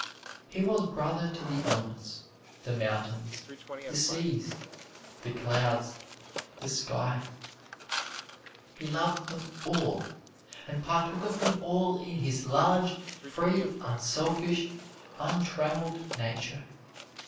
He was brother to the elements, the mountains, the seas, the clouds, the sky. He loved them all and partook of them all in his large, free, unselfish, untrammeled nature.